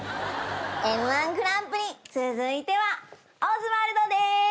Ｍ−１グランプリ続いてはオズワルドでーす。